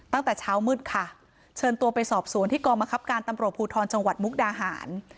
ตั้งแต่เช้ามืดค่ะเชิญตัวไปสอบสวนที่กองบังคับการตำรวจภูทรจังหวัดมุกดาหาร